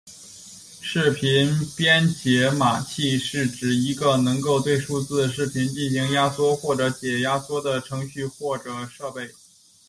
视频编解码器是指一个能够对数字视频进行压缩或者解压缩的程序或者设备。